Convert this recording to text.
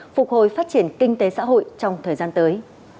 phục hồi phát triển kinh tế xã hội trong thời gian tới